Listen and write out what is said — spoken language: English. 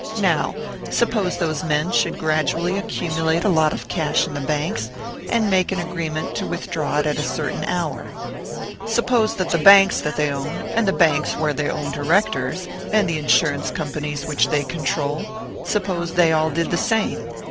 Now suppose those men should gradually accumulate a lot of cash in the banks, and make an agreement to withdraw it at a certain hour. Suppose that the banks that they own, and the banks where they own directors, and the insurance companies which they control suppose they all did the same!